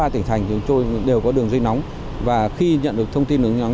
sáu mươi ba tỉnh thành chúng tôi đều có đường dây nóng và khi nhận được thông tin nướng nhóng